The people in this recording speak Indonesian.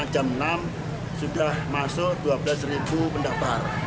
jam enam sudah masuk dua belas pendaftar